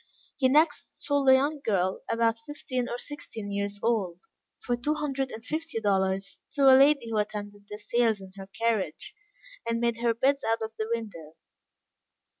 He next sold a young girl, about fifteen or sixteen years old, for two hundred and fifty dollars, to a lady who attended the sales in her carriage, and made her bids out of the window.